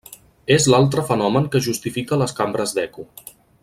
És l’altre fenomen que justifica les cambres d’eco.